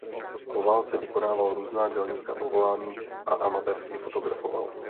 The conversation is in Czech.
Po válce vykonával různá dělnická povolání a amatérsky fotografoval.